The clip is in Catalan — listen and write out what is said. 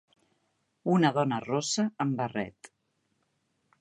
Una dona rossa amb barret.